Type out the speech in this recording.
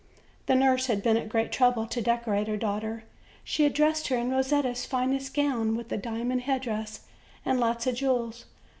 The nurse had been at great trouble to decorate her daughter; she had dressed her in Kosetta's finest gown, with a diamond headdress and lots of jewels.